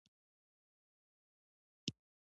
د خندا تر شا ډېره مینه پټه وي.